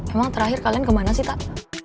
emang terakhir kalian kemana sih pak